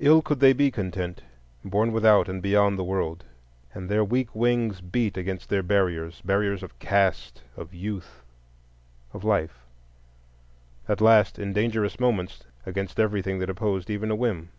Ill could they be content, born without and beyond the World. And their weak wings beat against their barriers,—barriers of caste, of youth, of life; at last, in dangerous moments, against everything that opposed even a whim.